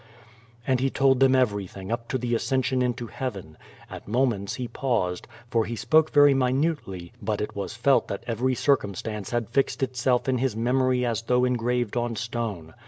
And he told them everything up to the Ascension into heaven. At moments he juuiscd, for he spoke very minutely, but it was felt that every circumstance had fixed itself in lus memory as though engraved on stone.